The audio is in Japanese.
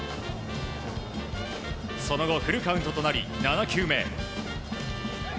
その後フルカウントとなり７球目。